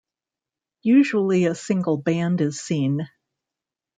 Usually a single band is seen.